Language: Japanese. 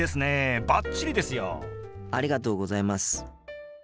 ありがとうございます。